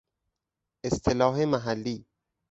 اصطلاح محلی